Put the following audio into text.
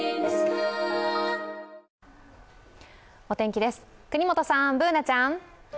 お天気です、國本さん、Ｂｏｏｎａちゃん。